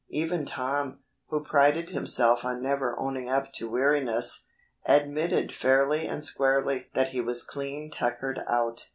Even Tom, who prided himself on never owning up to weariness, admitted fairly and squarely that he was "clean tuckered out."